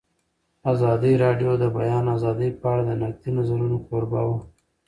ازادي راډیو د د بیان آزادي په اړه د نقدي نظرونو کوربه وه.